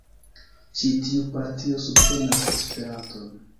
Ĉi tiu partio subtenas Esperanton.